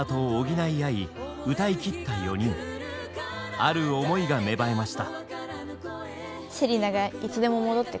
ある思いが芽生えました。